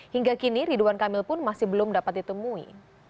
hingga kini ridwan kamil pun masih belum dapat ditemui